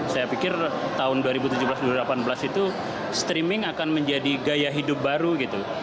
saya pikir tahun dua ribu tujuh belas dua ribu delapan belas itu streaming akan menjadi gaya hidup baru gitu